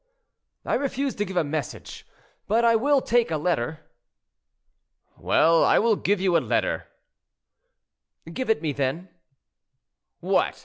"I refuse to give a message, but I will take a letter." "Well, I will give you a letter." "Give it me, then." "What!